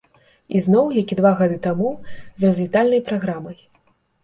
І зноў, як і два гады таму, з развітальнай праграмай.